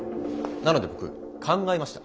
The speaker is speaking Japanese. なので僕考えました。